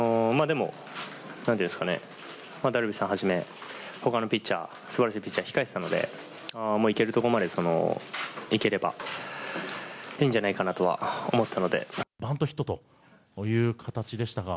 でも、ダルビッシュさんはじめ他のピッチャー素晴らしいピッチャーが控えていたので行けるところまで行ければいいんじゃないかなとはバントヒットという形でしたが。